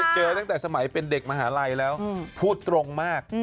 เจอตั้งแต่สมัยเป็นเด็กมหาลัยแล้วพูดตรงมาก